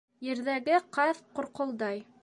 Ерҙәге ҡаҙ ҡорҡолдай.